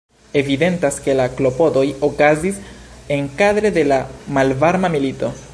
Evidentas ke la klopodoj okazis enkadre de la Malvarma Milito.